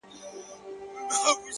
له ده بې زړه نه و! ژونده کمال دي وکړ!